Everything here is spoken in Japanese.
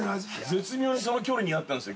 ◆絶妙の距離にあったんですよ。